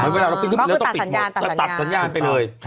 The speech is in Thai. เวลาเราขึ้นเครื่องบินแล้วต้องปิดหมดแล้วตัดสัญญาณไปเลย